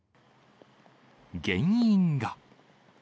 原因が。